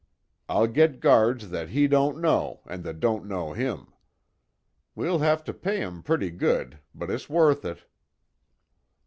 I'll get guards that he don't know, an' that don't know him. We'll have to pay 'em pretty good, but it's worth it."